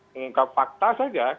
mengungkap fakta saja